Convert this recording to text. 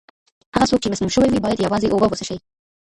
هغه څوک چې مسموم شوی وي، باید یوازې اوبه وڅښي.